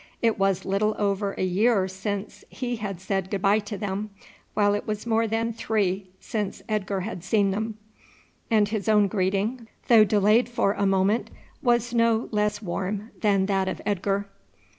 It was little over a year since he had said good bye to them, while it was more than three since Edgar had seen them, and his own greeting, though delayed for a moment, was no less warm than that of Edgar.